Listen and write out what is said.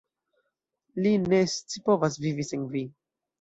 Li ne scipovas vivi sen vi.